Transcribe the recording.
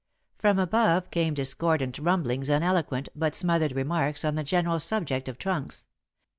From above came discordant rumblings and eloquent, but smothered remarks on the general subject of trunks.